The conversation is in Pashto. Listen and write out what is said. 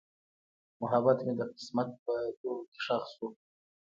محبت مې د قسمت په دوړو کې ښخ شو.